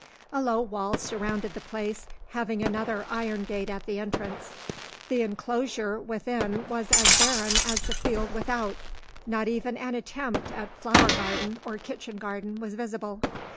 A low wall surrounded the place, having another iron gate at the entrance. The enclosure within was as barren as the field without: not even an attempt at flower garden or kitchen garden was visible.